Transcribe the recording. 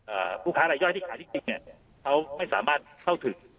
ผู้ค้ารายย่อยที่ขายที่จริงเนี้ยเขาไม่สามารถเข้าถึง